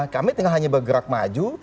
kami tinggal hanya bergerak maju